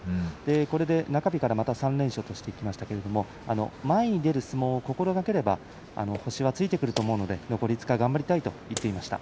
これで中日から３連勝としてきましたが前に出る相撲を心がければ星は付いてくると思うので残り５日間、頑張りますと言っていました。